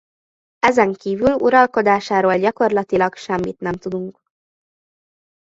Ezen kívül uralkodásáról gyakorlatilag semmit nem tudunk.